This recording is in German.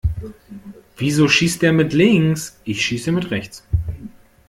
Wieso schießt der mit links? Ich schieße mit rechts.